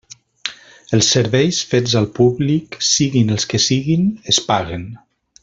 Els serveis fets al públic, siguin els que siguin, es paguen.